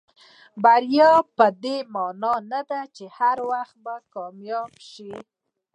بریا پدې معنا نه ده چې هر وخت کامیاب شئ.